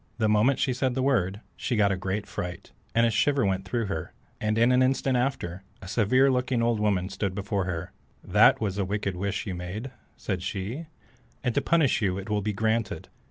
The moment she said the word, she got a great fright, and a shiver went through her, and in an instant after, a severe looking old woman stood before her. "That was a wicked wish you made," said she, "and to punish you it will be granted.